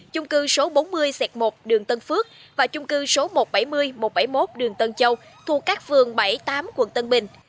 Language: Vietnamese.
chung cư số bốn mươi một đường tân phước và chung cư số một trăm bảy mươi một trăm bảy mươi một đường tân châu thuộc các phường bảy tám quận tân bình